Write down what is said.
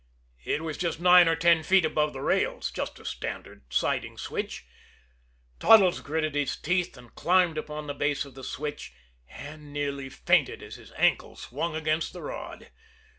It was just nine or ten feet above the rails just a standard siding switch. Toddles gritted his teeth, and climbed upon the base of the switch and nearly fainted as his ankle swung against the rod.